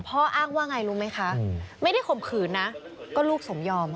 อ้างว่าไงรู้ไหมคะไม่ได้ข่มขืนนะก็ลูกสมยอม